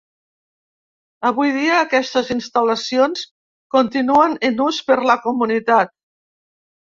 Avui dia aquestes instal·lacions continuen en ús per la comunitat.